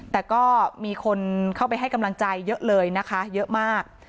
แต่ก็มีคนเข้าไปให้กำลังใจเยอะเลยนะคะเยอะมาก